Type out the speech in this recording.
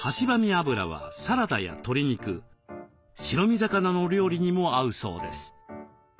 油はサラダや鶏肉白身魚の料理にも合うそうです。